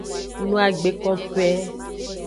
No agbe kokoe.